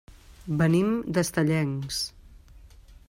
Venim d'Estellencs.